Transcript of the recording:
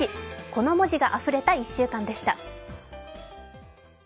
この文字があふれた１週間でした。